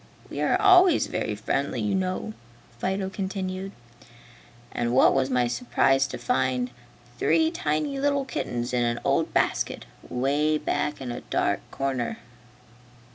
We are always very friendly, you know." Fido continued. "And what was my surprise to find three tiny little kittens in an old basket, 'way back in a dark corner!"